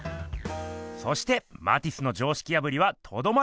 そしてマティスの常識破りはとどまることを知りません。